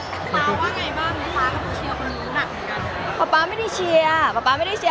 มันเป็นเรื่องน่ารักที่เวลาเจอกันเราต้องแซวอะไรอย่างเงี้ย